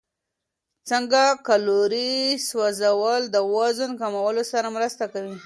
څنګه کالوري سوځول د وزن کمولو سره مرسته کوي؟